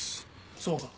そうか。